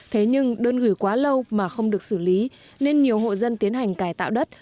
thế nhưng đơn gửi quá lâu mà không được xử lý nên nhiều hộ dân tiến hành cải tạo đất